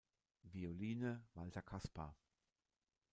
Violine Walter Caspar.